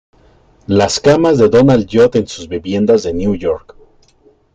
Las camas de Donald Judd en sus vivienda de New York.